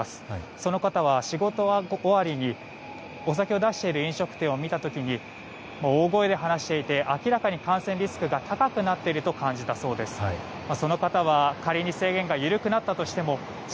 その方は、仕事終わりにお酒を出している飲食店を見た時に大声で話していて明らかに感染リスクが高くなっていると感じたそうです。